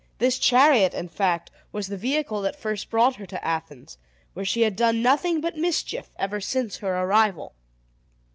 This chariot, in fact, was the vehicle that first brought her to Athens, where she had done nothing but mischief ever since her arrival.